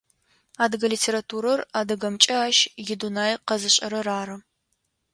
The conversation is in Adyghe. Адыгэ литературэр адыгэмкӏэ ащ идунай къэзышӏрэр ары.